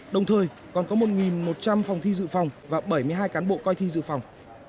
đồng thời còn có một một trăm linh phòng thi dự phòng và bảy mươi hai cán bộ coi thi dự phòng